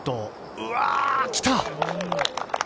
うわきた！